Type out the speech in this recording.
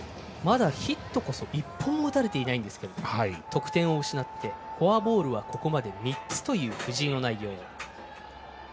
まだヒットこそ１本も打たれていないんですが得点を失ってフォアボールはここまで３つという藤井の内容。